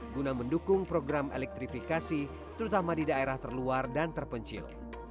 guna mendukung program elektrifikasi terutama di daerah terluar dan terpencil